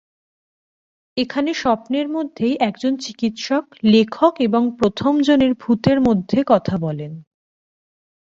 এখানে স্বপ্নের মধ্যেই একজন চিকিৎসক লেখক এবং প্রথম জনের ভূতের মধ্যে কথা বলেন।